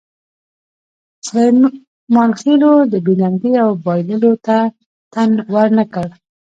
سلیمان خېلو د بې ننګۍ او بایللو ته تن ور نه کړ.